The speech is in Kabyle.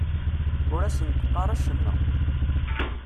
Ur asent-qqar acemma.